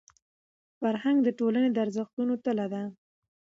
فرهنګ د ټولني د ارزښتونو تله ده.